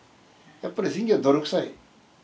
やっぱり選挙は泥臭い。